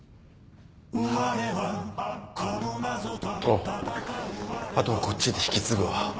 ⁉おうあとはこっちで引き継ぐわ。